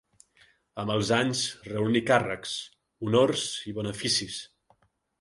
Amb els anys reuní càrrecs, honors i beneficis.